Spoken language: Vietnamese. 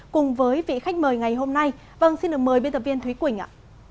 cùng với vị khách mời ngày hôm nay vâng xin được mời biên tập viên thúy quỳnh ạ